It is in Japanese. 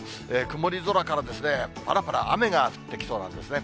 曇り空からぱらぱら雨が降ってきそうなんですね。